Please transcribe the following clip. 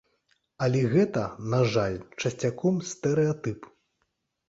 Але гэта, на жаль, часцяком стэрэатып.